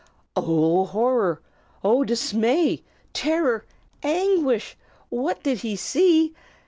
Oh, horror! Oh, dismay, terror, anguish! What did he see?